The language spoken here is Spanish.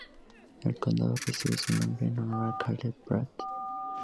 El condado recibe su nombre en honor a Caleb Pratt.